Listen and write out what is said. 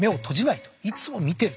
いつも見てる。